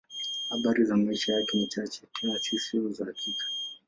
Habari za maisha yake ni chache, tena si za hakika.